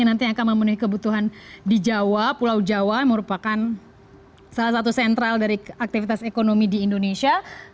nanti akan memenuhi kebutuhan di jawa pulau jawa yang merupakan salah satu sentral dari aktivitas ekonomi di indonesia